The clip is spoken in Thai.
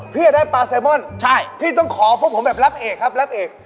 พี่จะได้ปลาแซมอนใช่พี่ต้องขอพวกผมแบบรับเอกครับรับเอก